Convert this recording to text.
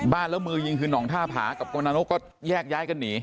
บ้านแล้วมือยิงคืนนองท่าผากับกำลังนกก็แยกย้ายกันหนี